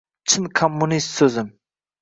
— Chin kommunist so‘zim.